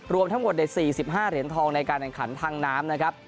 รวมทั้งหมดใน๔๕เหรียญทองในการแข่งขันทางน้ำนะครับ